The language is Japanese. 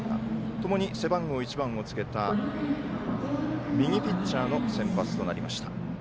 ともに背番号１番をつけた右ピッチャーの先発となりました。